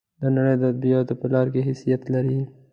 د نړۍ د ادبیاتو په لار کې حیثیت لري.